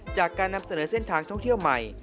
จากการนำเสนอเส้นทางท่องเที่ยวใหม่